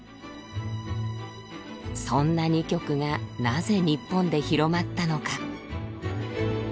そんな２曲がなぜ日本で広まったのか？